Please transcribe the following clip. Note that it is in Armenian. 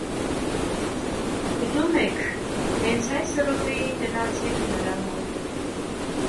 Ուզում եք, հենց այս րոպեին գնացեք նրա մոտ: